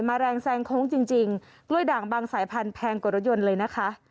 แรงแซงโค้งจริงกล้วยด่างบางสายพันธุแพงกว่ารถยนต์เลยนะคะ